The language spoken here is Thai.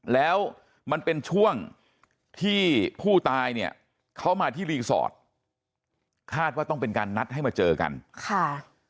แล้วมันเป็นช่วงที่ผู้ตายเนี่ยเขามาที่รีสอร์ทคาดว่าต้องเป็นการนัดให้มาเจอกันค่ะ